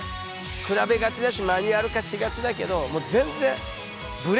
比べがちだしマニュアル化しがちだけどもう全然ハハハッ！